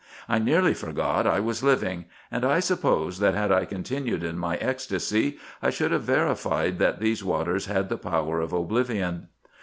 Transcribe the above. I nearly forgot I was living : and I suppose, that had I continued in my ecstacy, I should have verified that these waters had the power of oblivion.